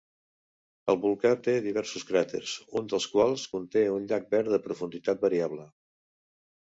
El volcà té diversos cràters, un dels quals conté un llac verd de profunditat variable.